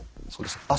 そうです。